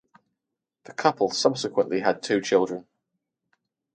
The couple subsequently had two children.